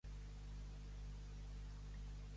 Estic fet pols, pernil dolç!